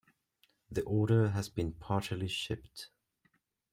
The order has been partially shipped.